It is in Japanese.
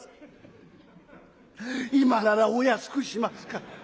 今ならお安くしますから。